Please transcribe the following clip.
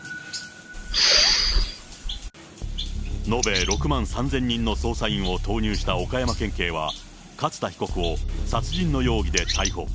延べ６万３０００人の捜査員を投入した岡山県警は、勝田被告を殺人の容疑で逮捕。